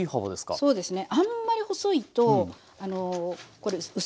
あっそうですね。